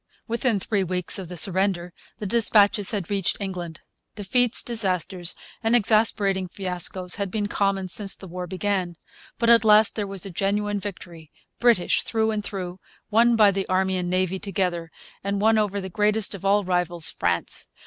Within three weeks of the surrender the dispatches had reached England. Defeats, disasters, and exasperating fiascos had been common since the war began. But at last there was a genuine victory, British through and through, won by the Army and Navy together, and won over the greatest of all rivals, France.